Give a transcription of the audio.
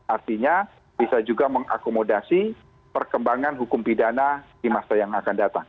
artinya bisa juga mengakomodasi perkembangan hukum pidana di masa yang akan datang